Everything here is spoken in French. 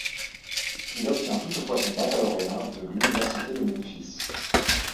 Il obtient toutefois son baccalauréat de l'université de Memphis.